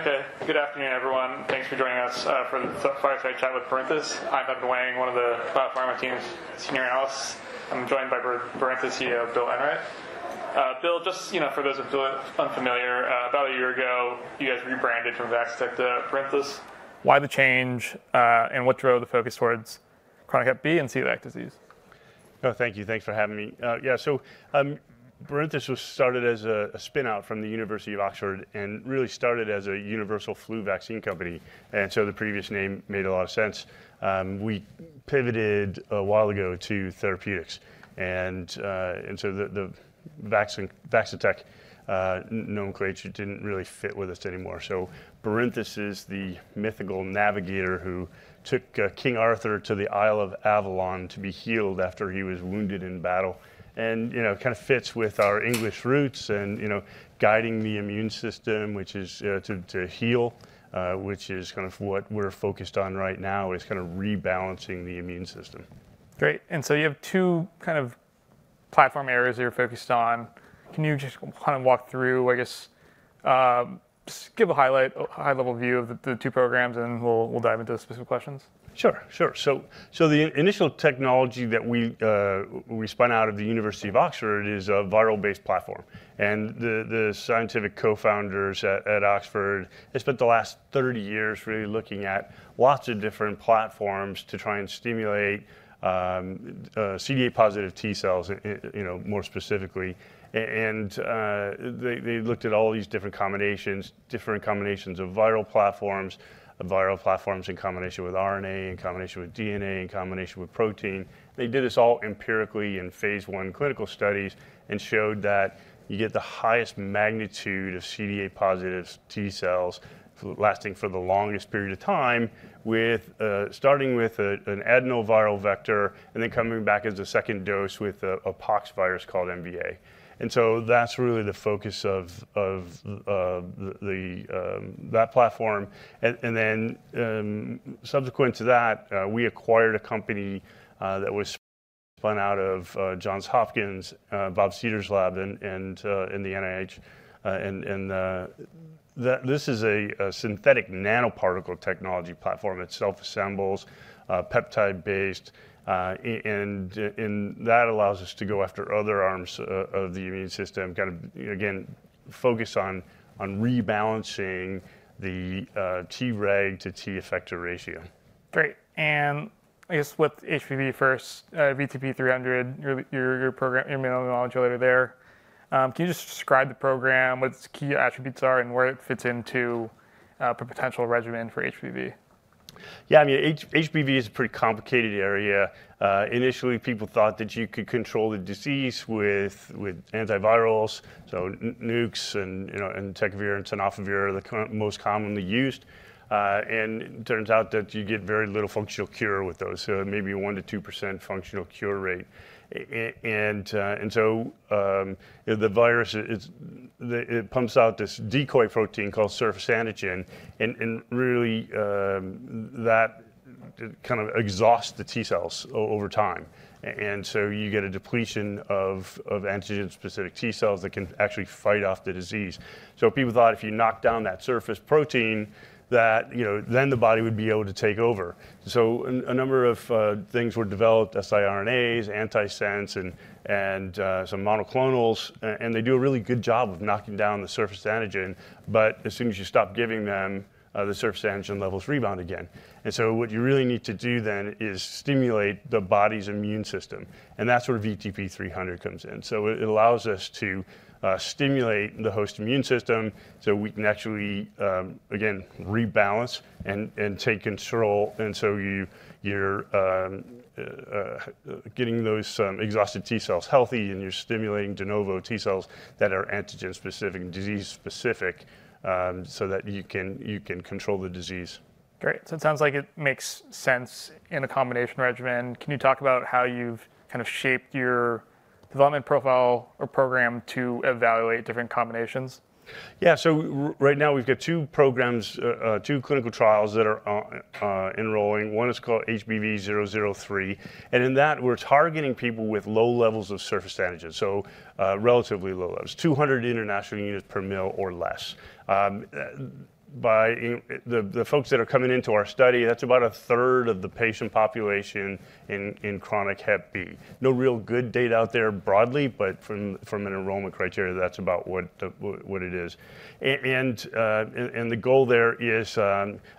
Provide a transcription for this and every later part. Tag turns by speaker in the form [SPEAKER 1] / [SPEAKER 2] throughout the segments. [SPEAKER 1] Okay. Good afternoon, everyone. Thanks for joining us for the fireside chat with Barinthus. I'm Dr. Wang, one of the pharma team's senior analysts. I'm joined by Barinthus CEO Bill Enright. Bill, just for those who are unfamiliar, about a year ago, you guys rebranded from Vaccitech to Barinthus. Why the change, and what drove the focus towards chronic hep B and celiac disease?
[SPEAKER 2] Oh, thank you. Thanks for having me. Yeah, so Barinthus was started as a spinout from the University of Oxford and really started as a universal flu vaccine company. And so the previous name made a lot of sense. We pivoted a while ago to therapeutics. And so the Vaccitech, known for it, didn't really fit with us anymore. So Barinthus is the mythical navigator who took King Arthur to the Isle of Avalon to be healed after he was wounded in battle. And it kind of fits with our English roots and guiding the immune system, which is to heal, which is kind of what we're focused on right now, is kind of rebalancing the immune system.
[SPEAKER 1] Great. And so you have two kind of platform areas that you're focused on. Can you just kind of walk through, I guess, just give a high-level view of the two programs, and then we'll dive into the specific questions?
[SPEAKER 2] Sure. Sure. The initial technology that we spun out of the University of Oxford is a viral-based platform. The scientific co-founders at Oxford, they spent the last 30 years really looking at lots of different platforms to try and stimulate CD8+ T cells, more specifically. They looked at all these different combinations, different combinations of viral platforms, viral platforms in combination with RNA, in combination with DNA, in combination with protein. They did this all empirically in phase I clinical studies and showed that you get the highest magnitude of CD8+ T cells lasting for the longest period of time, starting with an adenoviral vector and then coming back as a second dose with a poxvirus called MVA. That's really the focus of that platform. Then subsequent to that, we acquired a company that was spun out of Johns Hopkins, Bob Seder's lab, and the NIH. And this is a synthetic nanoparticle technology platform. It self-assembles, peptide-based. And that allows us to go after other arms of the immune system, kind of, again, focus on rebalancing the Treg to T effector ratio.
[SPEAKER 1] Great. And I guess with HBV first, VTP-300, your main knowledge layer there. Can you just describe the program, what its key attributes are, and where it fits into a potential regimen for HBV?
[SPEAKER 2] Yeah, I mean, HBV is a pretty complicated area. Initially, people thought that you could control the disease with antivirals, so NUCs, entecavir, and tenofovir are the most commonly used. And it turns out that you get very little functional cure with those, maybe 1% to 2% functional cure rate. And so the virus, it pumps out this decoy protein called surface antigen. And really, that kind of exhausts the T cells over time. And so you get a depletion of antigen-specific T cells that can actually fight off the disease. So people thought if you knock down that surface protein, then the body would be able to take over. So a number of things were developed, siRNAs, antisense, and some monoclonals. And they do a really good job of knocking down the surface antigen. But as soon as you stop giving them, the surface antigen levels rebound again. And so what you really need to do then is stimulate the body's immune system. And that's where VTP-300 comes in. So it allows us to stimulate the host immune system so we can actually, again, rebalance and take control. And so you're getting those exhausted T cells healthy, and you're stimulating de novo T cells that are antigen-specific and disease-specific so that you can control the disease.
[SPEAKER 1] Great, so it sounds like it makes sense in a combination regimen. Can you talk about how you've kind of shaped your development profile or program to evaluate different combinations?
[SPEAKER 2] Yeah. So right now, we've got two programs, two clinical trials that are enrolling. One is called HBV003. And in that, we're targeting people with low levels of surface antigen, so relatively low levels, 200 international units per mL or less. By the folks that are coming into our study, that's about a third of the patient population in chronic hep B. No real good data out there broadly, but from an enrollment criteria, that's about what it is. And the goal there is,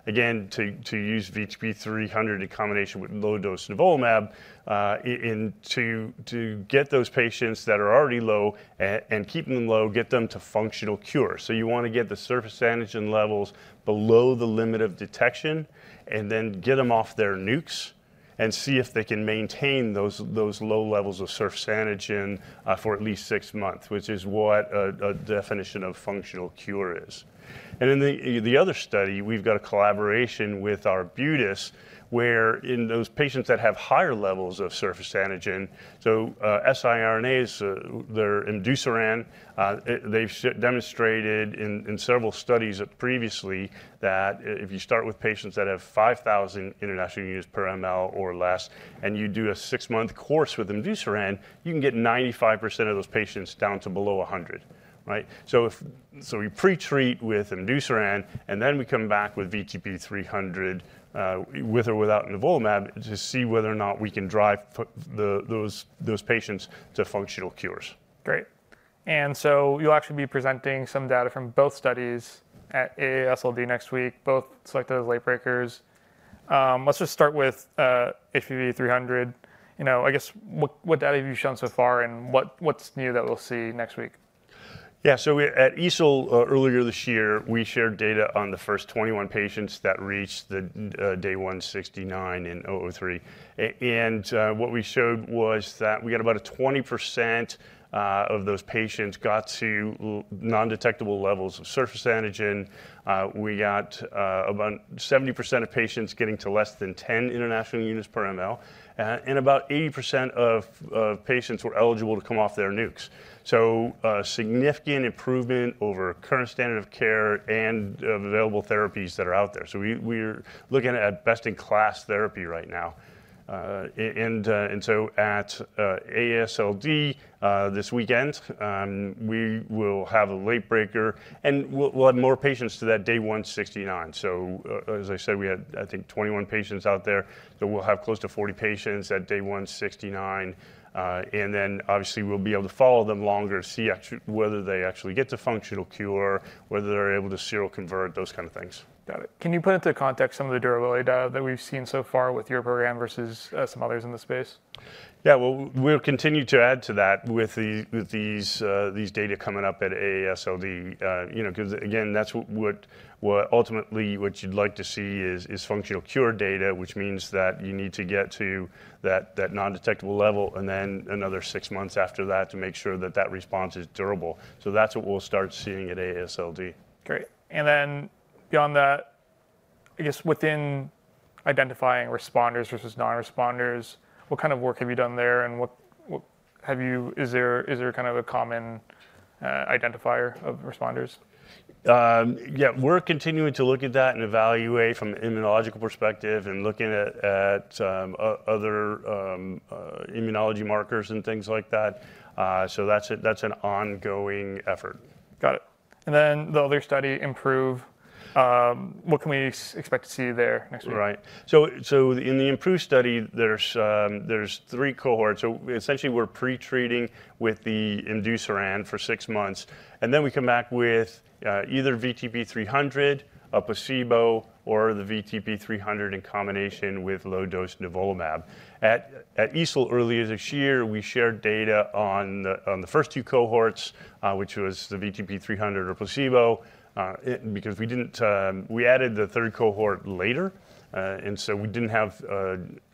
[SPEAKER 2] again, to use VTP-300 in combination with low-dose nivolumab to get those patients that are already low and keep them low, get them to functional cure. You want to get the surface antigen levels below the limit of detection and then get them off their NUCs and see if they can maintain those low levels of surface antigen for at least six months, which is what a definition of functional cure is, and in the other study, we've got a collaboration with our Arbutus, where in those patients that have higher levels of surface antigen, so siRNAs, their imdusiran, they've demonstrated in several studies previously that if you start with patients that have 5,000 international units per mL or less, and you do a six-month course with imdusiran, you can get 95% of those patients down to below 100, so we pretreat with imdusiran, and then we come back with VTP-300 with or without nivolumab to see whether or not we can drive those patients to functional cures.
[SPEAKER 1] Great. And so you'll actually be presenting some data from both studies at AASLD next week, both selected as late breakers. Let's just start with VTP-300. I guess, what data have you shown so far, and what's new that we'll see next week?
[SPEAKER 2] Yeah. At EASL earlier this year, we shared data on the first 21 patients that reached day 169 in 003. What we showed was that we got about 20% of those patients got to nondetectable levels of surface antigen. We got about 70% of patients getting to less than 10 international units per mL. About 80% of patients were eligible to come off their NUCs. This is a significant improvement over current standard of care and available therapies that are out there. We're looking at best-in-class therapy right now. At AASLD this weekend, we will have a late breaker, and we'll add more patients to that day 169. As I said, we had, I think, 21 patients out there. We'll have close to 40 patients at day 169. Then, obviously, we'll be able to follow them longer, see whether they actually get to functional cure, whether they're able to seroconvert, those kind of things.
[SPEAKER 1] Got it. Can you put into context some of the durability data that we've seen so far with your program versus some others in the space?
[SPEAKER 2] Yeah. Well, we'll continue to add to that with these data coming up at AASLD. Because, again, that's what ultimately you'd like to see is functional cure data, which means that you need to get to that undetectable level and then another six months after that to make sure that that response is durable. So that's what we'll start seeing at AASLD.
[SPEAKER 1] Great. And then beyond that, I guess, within identifying responders versus non-responders, what kind of work have you done there, and is there kind of a common identifier of responders?
[SPEAKER 2] Yeah. We're continuing to look at that and evaluate from an immunological perspective and looking at other immunology markers and things like that. So that's an ongoing effort.
[SPEAKER 1] Got it. And then the other study, IMPROVE, what can we expect to see there next week?
[SPEAKER 2] Right. So in the IMPROVE study, there's three cohorts. So essentially, we're pretreating with imdusiran for six months. And then we come back with either VTP-300, a placebo, or the VTP-300 in combination with low-dose nivolumab. At EASL earlier this year, we shared data on the first two cohorts, which was the VTP-300 or placebo, because we added the third cohort later. And so we didn't have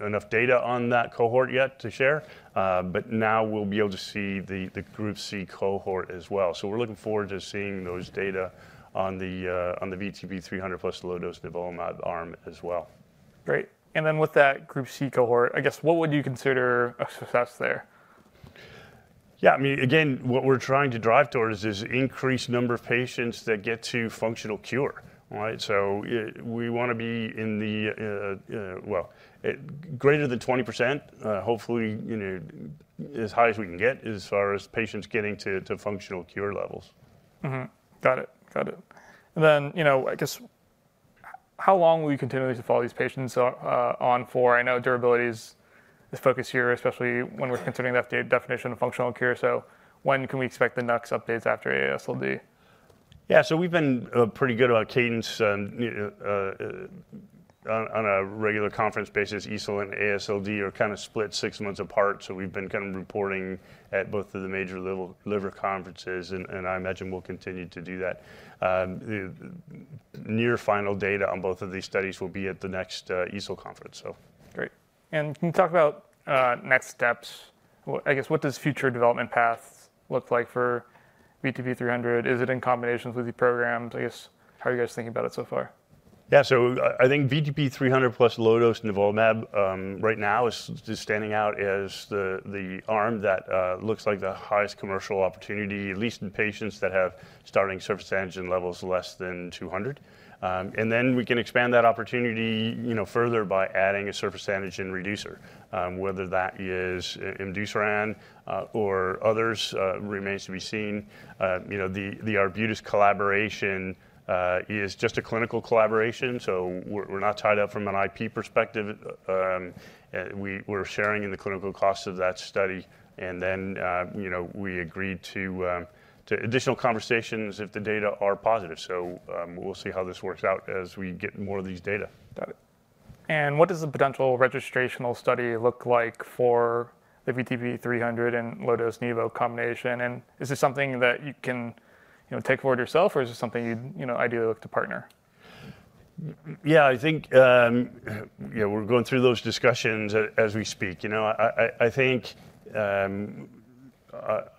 [SPEAKER 2] enough data on that cohort yet to share. But now we'll be able to see the group C cohort as well. So we're looking forward to seeing those data on the VTP-300 plus low-dose nivolumab arm as well.
[SPEAKER 1] Great. And then with that group C cohort, I guess, what would you consider a success there?
[SPEAKER 2] Yeah. I mean, again, what we're trying to drive towards is increased number of patients that get to functional cure. So we want to be in the, well, greater than 20%, hopefully as high as we can get as far as patients getting to functional cure levels.
[SPEAKER 1] Got it. Got it. And then, I guess, how long will you continue to follow these patients on for? I know durability is the focus here, especially when we're considering the definition of functional cure. So when can we expect the next updates after AASLD?
[SPEAKER 2] Yeah, so we've been pretty good about cadence. On a regular conference basis, EASL and AASLD are kind of split six months apart. So we've been kind of reporting at both of the major liver conferences, and I imagine we'll continue to do that. Near final data on both of these studies will be at the next EASL conference.
[SPEAKER 1] Great. And can you talk about next steps? I guess, what does future development path look like for VTP-300? Is it in combinations with the program? I guess, how are you guys thinking about it so far?
[SPEAKER 2] Yeah. So I think VTP-300 plus low-dose nivolumab right now is standing out as the arm that looks like the highest commercial opportunity, at least in patients that have starting surface antigen levels less than 200. And then we can expand that opportunity further by adding a surface antigen reducer. Whether that is imdusiran or others remains to be seen. The Arbutus collaboration is just a clinical collaboration. So we're not tied up from an IP perspective. We're sharing in the clinical costs of that study. And then we agreed to additional conversations if the data are positive. So we'll see how this works out as we get more of these data.
[SPEAKER 1] Got it. And what does the potential registrational study look like for the VTP-300 and low-dose nivo combination? And is this something that you can take forward yourself, or is this something you'd ideally look to partner?
[SPEAKER 2] Yeah. I think we're going through those discussions as we speak. I think,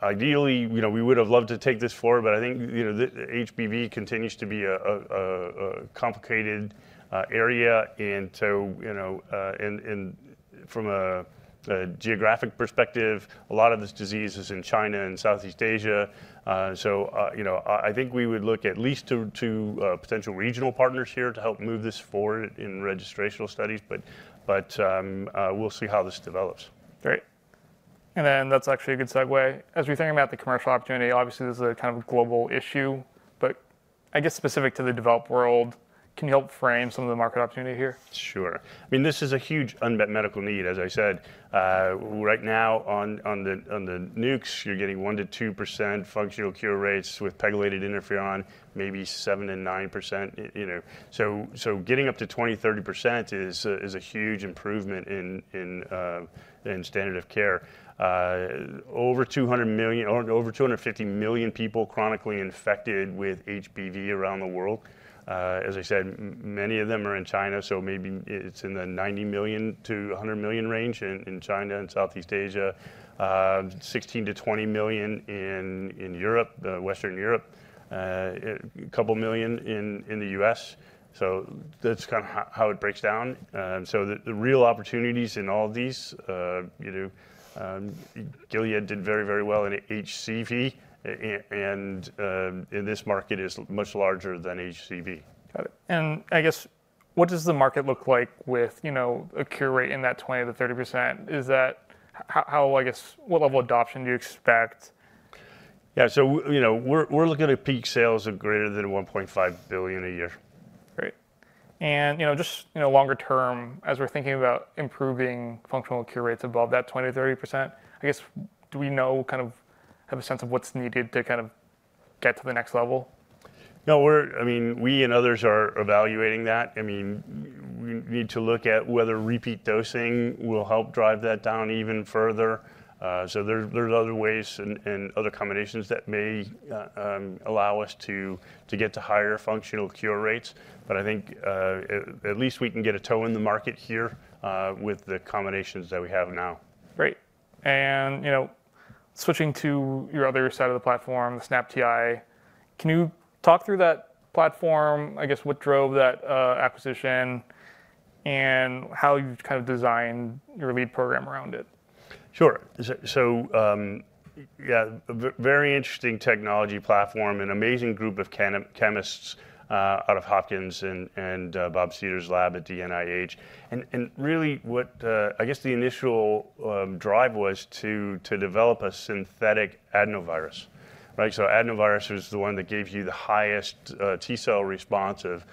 [SPEAKER 2] ideally, we would have loved to take this forward. But I think HBV continues to be a complicated area. And so from a geographic perspective, a lot of this disease is in China and Southeast Asia. So I think we would look at least to potential regional partners here to help move this forward in registrational studies. But we'll see how this develops.
[SPEAKER 1] Great. And then that's actually a good segue. As we're thinking about the commercial opportunity, obviously, this is a kind of global issue. But I guess, specific to the developed world, can you help frame some of the market opportunity here?
[SPEAKER 2] Sure. I mean, this is a huge unmet medical need, as I said. Right now, on the NUCs, you're getting 1%-2% functional cure rates with pegylated interferon, maybe 7%-9%. So getting up to 20%, 30% is a huge improvement in standard of care. Over 200 million or over 250 million people chronically infected with HBV around the world. As I said, many of them are in China. So maybe it's in the 90 million-100 million range in China and Southeast Asia, 16 million-20 million in Europe, Western Europe, a couple million in the U.S. So that's kind of how it breaks down. So the real opportunities in all of these, Gilead did very, very well in HCV. And this market is much larger than HCV.
[SPEAKER 1] Got it. And I guess, what does the market look like with a cure rate in that 20%-30%? How, I guess, what level of adoption do you expect?
[SPEAKER 2] Yeah, so we're looking at peak sales of greater than $1.5 billion a year.
[SPEAKER 1] Great. And just longer term, as we're thinking about improving functional cure rates above that 20%-30%, I guess, do we know kind of have a sense of what's needed to kind of get to the next level?
[SPEAKER 2] No. I mean, we and others are evaluating that. I mean, we need to look at whether repeat dosing will help drive that down even further. So there's other ways and other combinations that may allow us to get to higher functional cure rates. But I think, at least, we can get a toe in the market here with the combinations that we have now.
[SPEAKER 1] Great, and switching to your other side of the platform, the SNAP-TI, can you talk through that platform, I guess, what drove that acquisition and how you've kind of designed your lead program around it?
[SPEAKER 2] Sure, so yeah, very interesting technology platform and amazing group of chemists out of Hopkins and Bob Seder's lab at the NIH, and really, I guess, the initial drive was to develop a synthetic adenovirus, so adenovirus is the one that gives you the highest T cell response of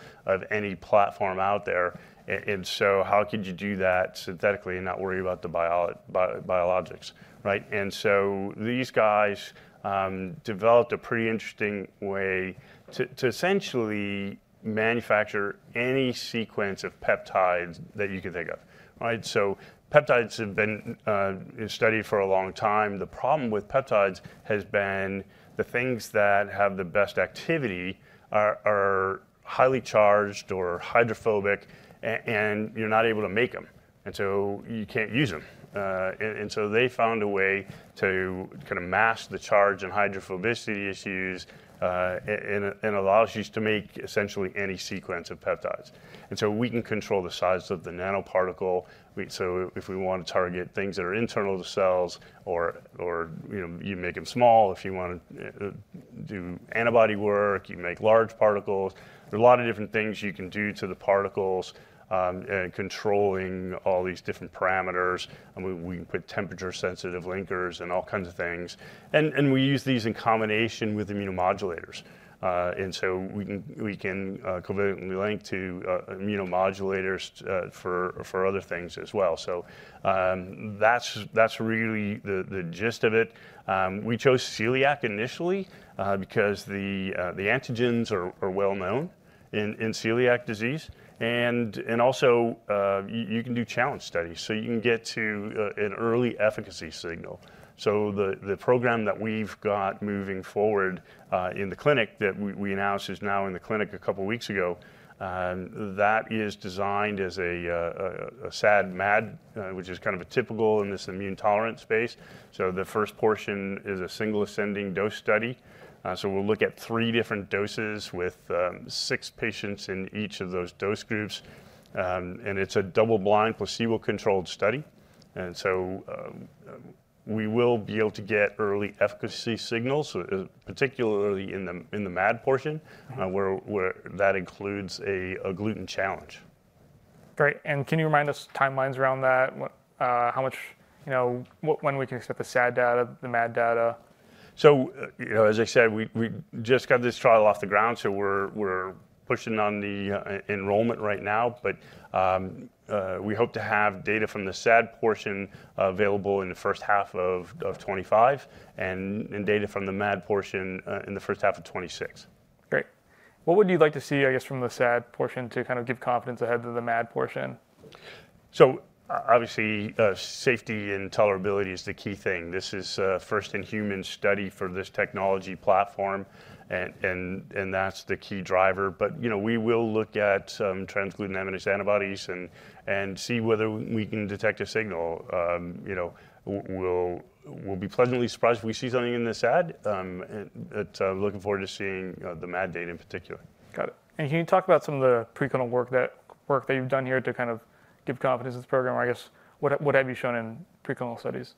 [SPEAKER 2] any platform out there, and so how could you do that synthetically and not worry about the biologics, and so these guys developed a pretty interesting way to essentially manufacture any sequence of peptides that you can think of, so peptides have been studied for a long time. The problem with peptides has been the things that have the best activity are highly charged or hydrophobic, and you're not able to make them, and so you can't use them. And so they found a way to kind of mask the charge and hydrophobicity issues and allows you to make essentially any sequence of peptides. And so we can control the size of the nanoparticle. So if we want to target things that are internal to cells, or you make them small, if you want to do antibody work, you make large particles. There are a lot of different things you can do to the particles and controlling all these different parameters. We can put temperature-sensitive linkers and all kinds of things. And we use these in combination with immunomodulators. And so we can covalently link to immunomodulators for other things as well. So that's really the gist of it. We chose celiac initially because the antigens are well known in celiac disease. And also, you can do challenge studies. So you can get to an early efficacy signal. So the program that we've got moving forward in the clinic that we announced is now in the clinic a couple of weeks ago. That is designed as a SAD-MAD, which is kind of typical in this immune tolerance space. So the first portion is a single ascending dose study. So we'll look at three different doses with six patients in each of those dose groups. And it's a double-blind placebo-controlled study. And so we will be able to get early efficacy signals, particularly in the MAD portion, where that includes a gluten challenge.
[SPEAKER 1] Great. And can you remind us timelines around that? When we can expect the SAD data, the MAD data?
[SPEAKER 2] So as I said, we just got this trial off the ground. So we're pushing on the enrollment right now. But we hope to have data from the SAD portion available in the first half of 2025 and data from the MAD portion in the first half of 2026.
[SPEAKER 1] Great. What would you like to see, I guess, from the SAD portion to kind of give confidence ahead of the MAD portion?
[SPEAKER 2] So obviously, safety and tolerability is the key thing. This is a first-in-human study for this technology platform. And that's the key driver. But we will look at some transglutaminase antibodies and see whether we can detect a signal. We'll be pleasantly surprised if we see something in the SAD. But looking forward to seeing the MAD data in particular.
[SPEAKER 1] Got it. And can you talk about some of the preclinical work that you've done here to kind of give confidence to this program? I guess, what have you shown in preclinical studies?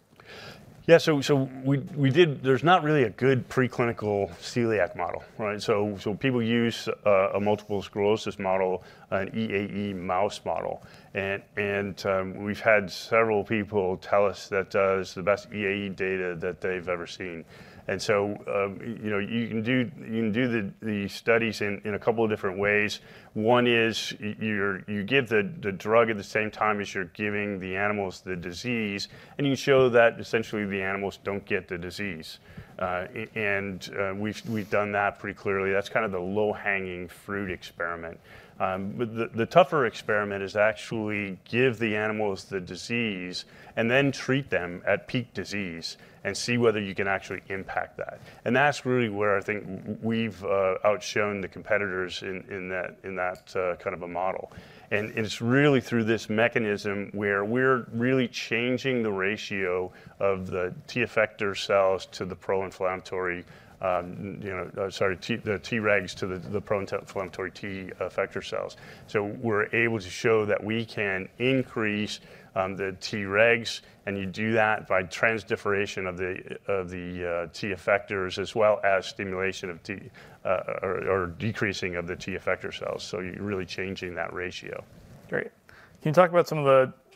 [SPEAKER 2] Yeah. So there's not really a good preclinical celiac model. So people use a multiple sclerosis model, an EAE mouse model. And we've had several people tell us that that is the best EAE data that they've ever seen. And so you can do the studies in a couple of different ways. One is you give the drug at the same time as you're giving the animals the disease. And you show that essentially the animals don't get the disease. And we've done that pretty clearly. That's kind of the low-hanging fruit experiment. The tougher experiment is actually give the animals the disease and then treat them at peak disease and see whether you can actually impact that. And that's really where I think we've outshone the competitors in that kind of a model. And it's really through this mechanism where we're really changing the ratio of the T effector cells to the pro-inflammatory, sorry, the Tregs to the pro-inflammatory T effector cells. So we're able to show that we can increase the Tregs. And you do that by transdifferentiation of the T effectors as well as stimulation or decreasing of the T effector cells. So you're really changing that ratio.
[SPEAKER 1] Great. Can you talk about some of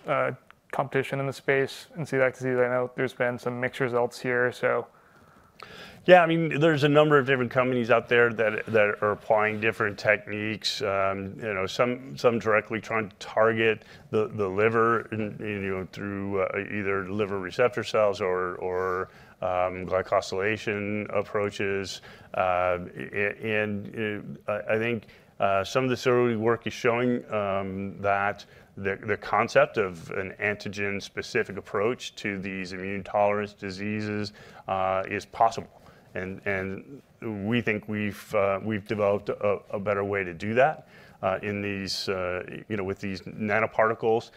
[SPEAKER 1] the competition in the space in celiac disease? I know there's been some mixed results here.
[SPEAKER 2] Yeah. I mean, there's a number of different companies out there that are applying different techniques. Some directly trying to target the liver through either liver receptor cells or glycosylation approaches. And I think some of the survey work is showing that the concept of an antigen-specific approach to these immune tolerance diseases is possible. And we think we've developed a better way to do that with these nanoparticles.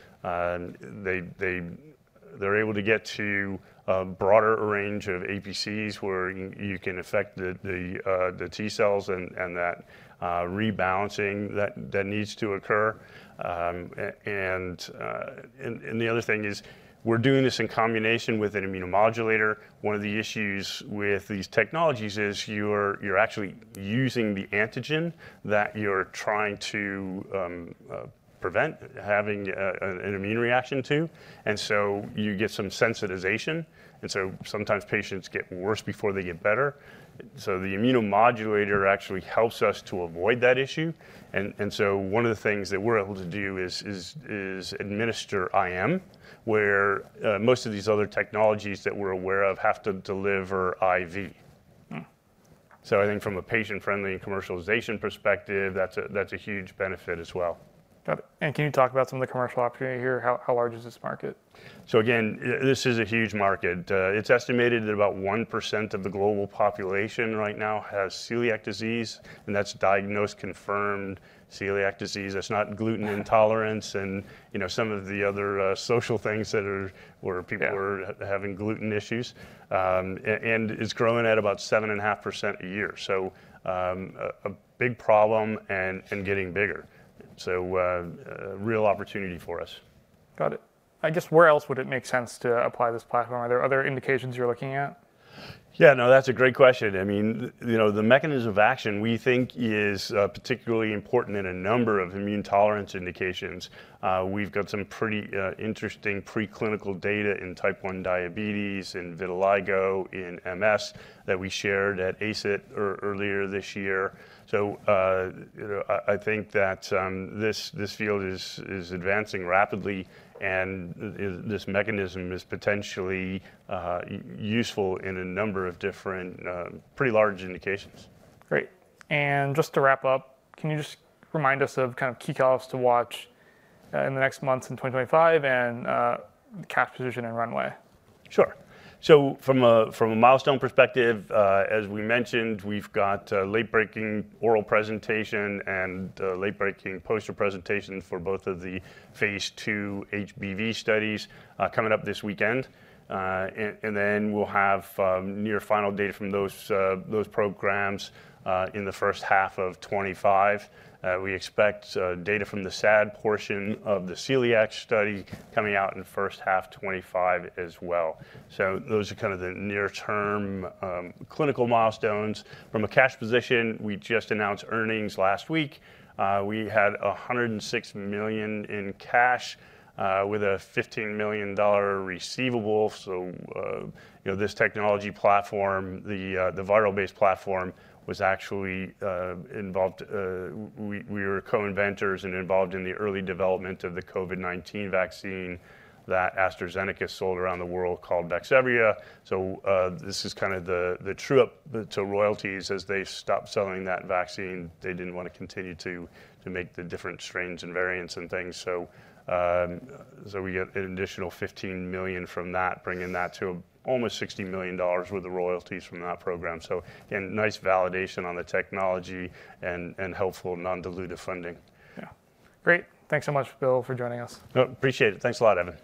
[SPEAKER 2] They're able to get to a broader range of APCs where you can affect the T cells and that rebalancing that needs to occur. And the other thing is we're doing this in combination with an immunomodulator. One of the issues with these technologies is you're actually using the antigen that you're trying to prevent having an immune reaction to. And so you get some sensitization. And so sometimes patients get worse before they get better. So the immunomodulator actually helps us to avoid that issue. And so one of the things that we're able to do is administer IM, where most of these other technologies that we're aware of have to deliver IV. So I think from a patient-friendly and commercialization perspective, that's a huge benefit as well.
[SPEAKER 1] Got it. And can you talk about some of the commercial opportunity here? How large is this market?
[SPEAKER 2] So again, this is a huge market. It's estimated that about 1% of the global population right now has celiac disease. And that's diagnosed, confirmed celiac disease. That's not gluten intolerance and some of the other social things where people are having gluten issues. And it's growing at about 7.5% a year. So a big problem and getting bigger. So real opportunity for us.
[SPEAKER 1] Got it. I guess, where else would it make sense to apply this platform? Are there other indications you're looking at?
[SPEAKER 2] Yeah. No, that's a great question. I mean, the mechanism of action we think is particularly important in a number of immune tolerance indications. We've got some pretty interesting preclinical data in type 1 diabetes and vitiligo in MS that we shared at ASGCT earlier this year. So I think that this field is advancing rapidly. And this mechanism is potentially useful in a number of different pretty large indications.
[SPEAKER 1] Great. And just to wrap up, can you just remind us of kind of key catalysts to watch in the next months in 2025 and the cash position and runway?
[SPEAKER 2] Sure. So from a milestone perspective, as we mentioned, we've got late-breaking oral presentation and late-breaking poster presentation for both of the phase II HBV studies coming up this weekend. And then we'll have near-final data from those programs in the first half of 2025. We expect data from the SAD portion of the celiac study coming out in first half 2025 as well. So those are kind of the near-term clinical milestones. From a cash position, we just announced earnings last week. We had $106 million in cash with a $15 million receivable. So this technology platform, the viral-based platform, was actually involved. We were co-inventors and involved in the early development of the COVID-19 vaccine that AstraZeneca sold around the world called Vaxzevria. So this is kind of the source of royalties as they stopped selling that vaccine. They didn't want to continue to make the different strains and variants and things. So we get an additional $15 million from that, bringing that to almost $60 million with the royalties from that program. So again, nice validation on the technology and helpful non-dilutive funding.
[SPEAKER 1] Yeah. Great. Thanks so much, Bill, for joining us.
[SPEAKER 2] Appreciate it. Thanks a lot, Evan.